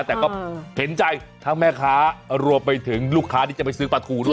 แต่ก็เห็นใจทั้งแม่ค้ารวมไปถึงลูกค้าที่จะไปซื้อปลาทูด้วย